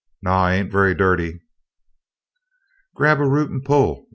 "No, I ain't very dirty." "Grab a root and pull!"